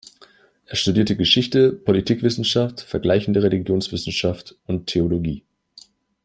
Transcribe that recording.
Er studierte Geschichte, Politikwissenschaft, Vergleichende Religionswissenschaft und Theologie.